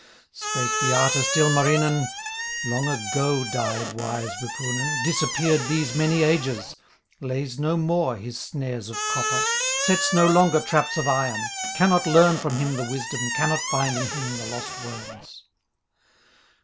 Spake the artist, Ilmarinen: "Long ago died wise Wipunen, Disappeared these many ages, Lays no more his snares of copper, Sets no longer traps of iron, Cannot learn from him the wisdom, Cannot find in him the lost words."